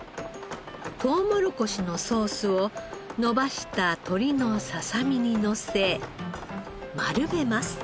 とうもろこしのソースを伸ばした鶏のささみにのせ丸めます。